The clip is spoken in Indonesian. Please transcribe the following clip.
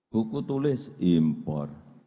buku tulis impor